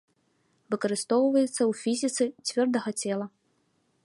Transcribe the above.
Выкарыстоўваецца ў фізіцы цвёрдага цела.